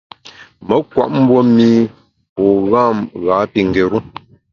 Me nkwet mbue mî u gham ghâ pi ngéru.